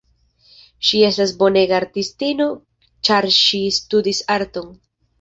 Ŝi estas bonega artistino ĉar ŝi studis arton.